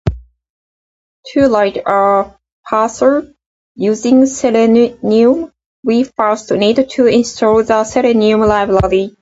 To write a parser using Selenium, we first need to install the Selenium library.